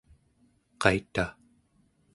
qaita?